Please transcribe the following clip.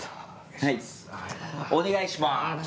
はいお願いします。